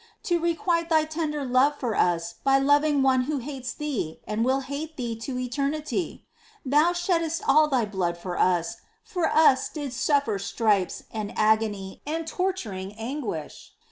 to requite Thy tender love for us by loving one who hates Thee, and will hate Thee to eternity ! Thou sheddedst all Thy Blood for us ; for us didst suffer stripes, and agony, and torturing anguish